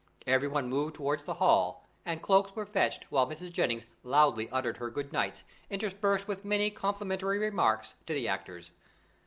Everyone moved towards the hall, and cloaks were fetched while Mrs. Jennings loudly uttered her good nights interspersed with many complimentary remarks to the actors.